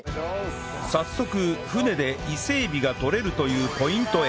早速船で伊勢エビがとれるというポイントへ